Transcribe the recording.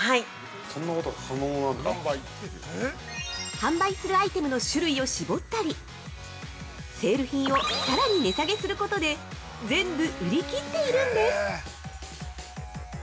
◆販売するアイテムの種類を絞ったり、セール品をさらに値下げすることで全部売り切っているんです。